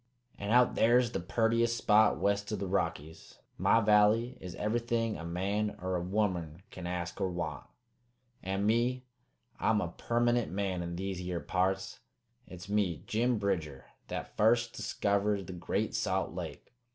"An' out there's the purtiest spot west o' the Rockies, My valley is ever'thing a man er a womern can ask or want. And me, I'm a permanent man in these yere parts. It's me, Jim Bridger, that fust diskivered the Great Salt Lake.